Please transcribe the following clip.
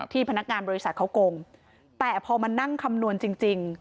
พนักงานบริษัทเขาโกงแต่พอมานั่งคำนวณจริง